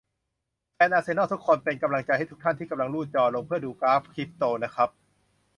แฟนอาร์เซนอล ทุกคน เป็นกำลังใจให้ทุกท่านที่กำลังรูดจอลงเพื่อดูกราฟคริปโตนะครับ